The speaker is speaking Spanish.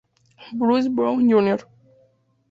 Bruce Brown Jr.